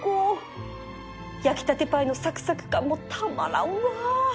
焼きたてパイのサクサク感もたまらんわ